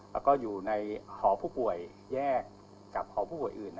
แล้วก็อยู่ในหอผู้ป่วยแยกกับหอผู้ป่วยอื่น